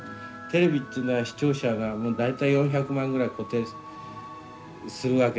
テレビっていうのは視聴者が大体４００万ぐらい固定するわけでしょう。